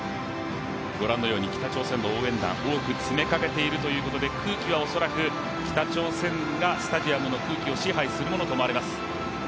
ご覧のように北朝鮮の応援団、多く詰めかけているということで空気は恐らく北朝鮮がスタジアムの空気を支配するものと思われます。